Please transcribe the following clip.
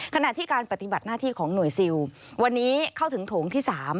ขณะที่การปฏิบัติหน้าที่ของหน่วยซิลวันนี้เข้าถึงโถงที่๓